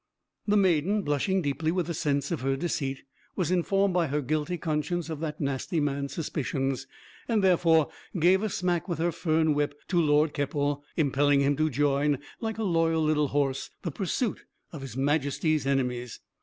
The maiden, blushing deeply with the sense of her deceit, was informed by her guilty conscience of that nasty man's suspicions, and therefore gave a smack with her fern whip to Lord Keppel, impelling him to join, like a loyal little horse, the pursuit of his Majesty's enemies.